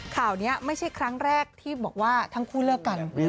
ข่าวนี้ไม่ใช่ครั้งแรกที่บอกว่าทั้งคู่เลิกกัน